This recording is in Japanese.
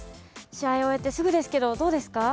試合を終えてすぐですけどどうですか？